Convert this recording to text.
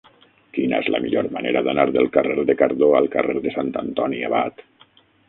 Quina és la millor manera d'anar del carrer de Cardó al carrer de Sant Antoni Abat?